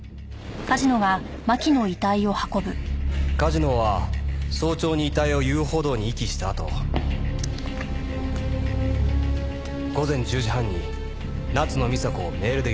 梶野は早朝に遺体を遊歩道に遺棄したあと午前１０時半に夏野美紗子をメールで呼び出しました。